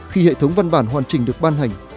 khi hệ thống văn bản hoàn chỉnh được ban hành